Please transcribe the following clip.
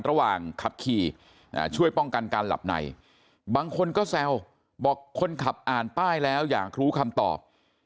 ระหว่างขับขี่ช่วยป้องกันการหลับในบางคนก็แซวบอกคนขับอ่านป้ายแล้วอยากรู้คำตอบ